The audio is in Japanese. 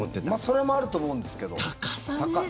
それもあると思うんですけど、高さ。